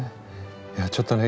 いやちょっとね